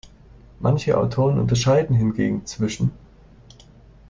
Manche Autoren unterscheiden hingegen zwischen